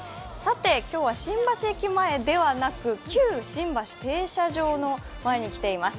今日は新橋駅前ではなく、旧新橋停車場の前に来ています。